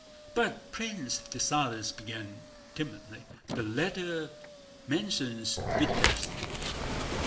"But, Prince," Dessalles began timidly, "the letter mentions Vítebsk...."